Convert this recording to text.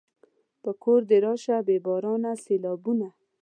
په کور دې راشه بې بارانه سېلابونه